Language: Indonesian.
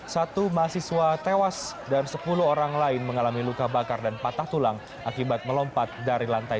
satu mahasiswa tewas dan sepuluh orang lain mengalami luka bakar dan patah tulang akibat melompat dari lantai dua